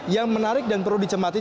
yang menarik dan perlu dicemati